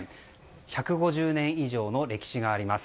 １５０年以上の歴史があります。